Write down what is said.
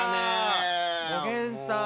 おげんさん